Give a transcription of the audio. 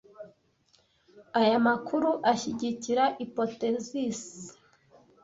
Aya makuru ashyigikira hypothesis .